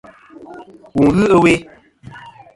Wù n-ghɨ ɨwe.